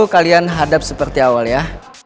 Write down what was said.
kalian hadap seperti awal ya